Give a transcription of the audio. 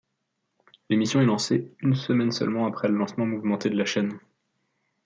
L'émission est lancée une semaine seulement après le lancement mouvementé de la chaîne.